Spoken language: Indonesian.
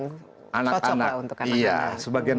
cocok lah untuk anak anak iya sebagian